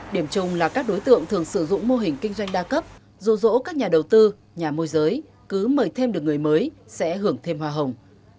điểm chung là các đối tượng thường sử dụng mô hình kinh doanh đa cấp dù rỗ các nhà đầu tư nhà môi giới cứ mời thêm được người mới sẽ hưởng thêm hoa hồng